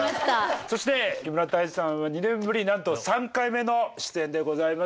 そして木村多江さんは２年ぶりなんと３回目の出演でございます。